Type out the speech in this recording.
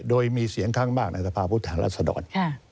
โดยมีเสียงข้างมากในสภาพผู้แทนรัศดร